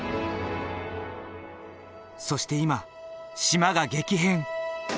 そして今島が激変！